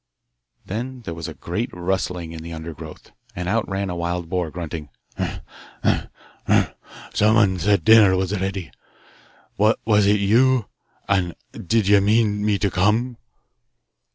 Then there was a great rustling in the undergrowth, and out ran a wild boar, grunting, 'Umph, umph, umph; someone said dinner was ready. Was it you? and did you mean me to come?